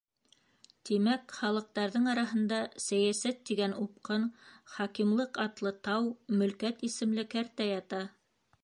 Тимәк, халыҡтарҙың араһында сәйәсәт тигән упҡын, хакимлыҡ атлы тау, мөлкәт исемле кәртә ята.